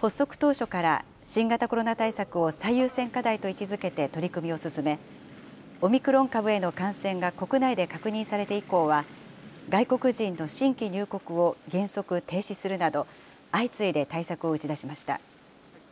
発足当初から新型コロナ対策を最優先課題と位置づけて取り組みを進め、オミクロン株への感染が国内で確認されて以降は、外国人の新規入国を原則停止するなど、相次いで対策を打ち出しました。